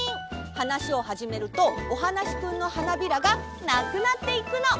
はなしをはじめるとお花しくんのはなびらがなくなっていくの！